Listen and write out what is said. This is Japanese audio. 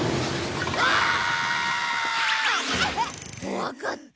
怖かった。